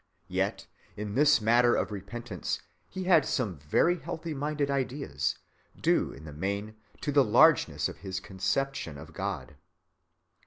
Yet in this matter of repentance he had some very healthy‐minded ideas, due in the main to the largeness of his conception of God.